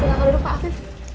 silahkan duduk pak afif